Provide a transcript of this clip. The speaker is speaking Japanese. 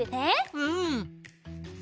うん！